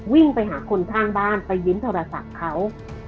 วิ่งไปหาคนข้างบ้านไปยิ้มโทรศัพท์เขา